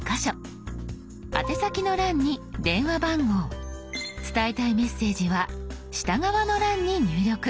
宛先の欄に電話番号伝えたいメッセージは下側の欄に入力。